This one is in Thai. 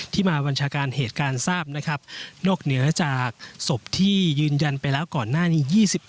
มาบัญชาการเหตุการณ์ทราบนะครับนอกเหนือจากศพที่ยืนยันไปแล้วก่อนหน้านี้๒๑